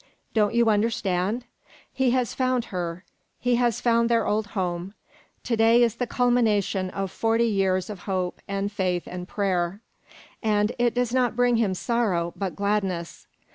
Don't you understand? He has found her. He has found their old home. To day is the culmination of forty years of hope, and faith, and prayer. And it does not bring him sorrow, but gladness.